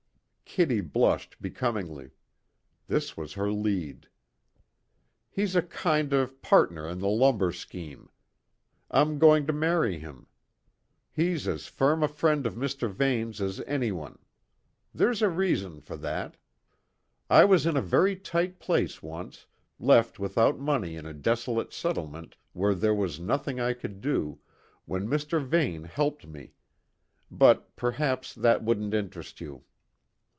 Kitty blushed becomingly; this was her lead. "He's a kind of partner in the lumber scheme; I'm going to marry him. He's as firm a friend of Mr. Vane's as any one. There's a reason for that I was in a very tight place once, left without money in a desolate settlement where there was nothing I could do, when Mr. Vane helped me. But, perhaps, that wouldn't interest you."